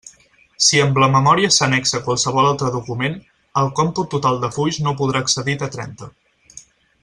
Si amb la memòria s'annexa qualsevol altre document, el còmput total de fulls no podrà excedir de trenta.